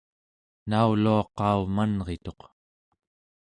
nauluaqaumanrituq